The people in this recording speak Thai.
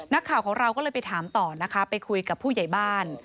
นักข่าวของเราก็เลยไปถามต่อนะคะไปคุยกับผู้ใหญ่บ้าน